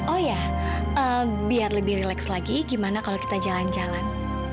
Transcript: oh ya biar lebih relax lagi gimana kalau kita jalan jalan